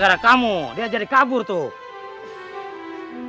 gara gara kamu dia jadi kabur tuh